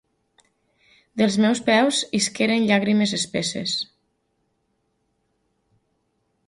Dels meus peus isqueren llàgrimes espesses.